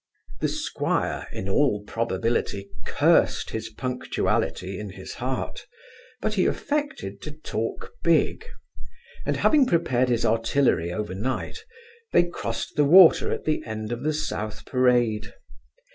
The squire, in all probability, cursed his punctuality in his heart, but he affected to talk big; and having prepared his artillery overnight, they crossed the water at the end of the South Parade.